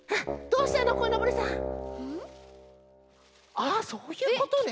ああそういうことね。